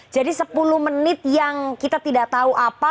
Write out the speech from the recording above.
jadi sepuluh menit yang kita tidak tau apa